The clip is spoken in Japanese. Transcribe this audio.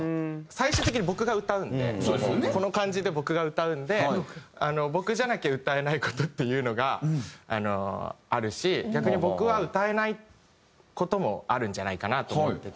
最終的に僕が歌うんでこの感じで僕が歌うんで僕じゃなきゃ歌えない事っていうのがあるし逆に僕は歌えない事もあるんじゃないかなと思ってて。